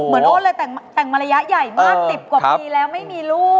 แบบโอ้นเลยแต่งมารยายใหญ่มาก๑๐กว่าปีแล้วไม่มีรูปครับ